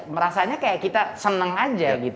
merasa seperti kita sangat senang